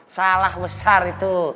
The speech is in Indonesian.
salah besar itu